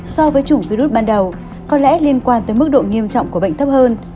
so với chủng virus ban đầu có lẽ liên quan tới mức độ nghiêm trọng của bệnh thấp hơn